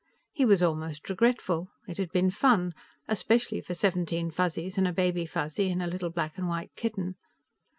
He was almost regretful; it had been fun. Especially for seventeen Fuzzies and a Baby Fuzzy and a little black and white kitten.